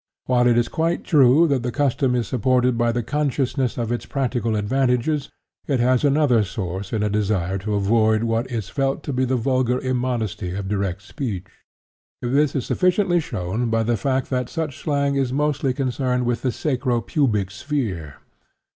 While it is quite true that the custom is supported by the consciousness of its practical advantages, it has another source in a desire to avoid what is felt to be the vulgar immodesty of direct speech. This is sufficiently shown by the fact that such slang is mostly concerned with the sacro pubic sphere.